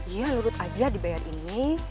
iya nurut aja dibayar ini